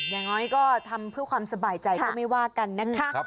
อย่างน้อยก็ทำเพื่อความสบายใจก็ไม่ว่ากันนะคะ